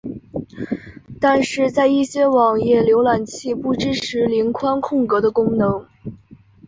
但是在一些网页浏览器不支援零宽空格的功能。